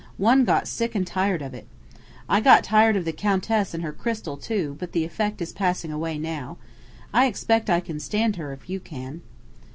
One got sick and tired of it. I got tired of the Countess and her crystal, too: but the effect is passing away now. I expect I can stand her if you can."